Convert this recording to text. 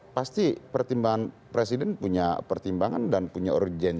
oh iya pasti pertimbangan presiden punya pertimbangan dan punya urgensi yang berbeda